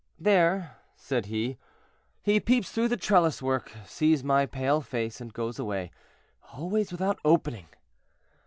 "There," said he, "he peeps through the trellis work, sees my pale face, and goes away, always without opening.